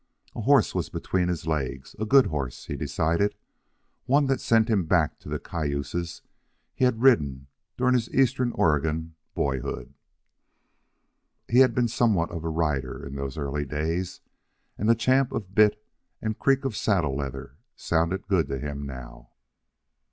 A horse was between his legs a good horse, he decided; one that sent him back to the cayuses he had ridden during his eastern Oregon boyhood. He had been somewhat of a rider in those early days, and the champ of bit and creak of saddle leather sounded good to him now.